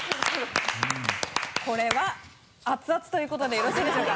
これは熱々ということでよろしいでしょうか？